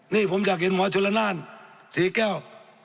นี่ผมอยากเห็นหมอชนละนานศรีแก้ว